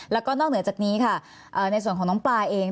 แล้วก็นอกเหนือจากนี้ค่ะในส่วนของน้องปลาเอง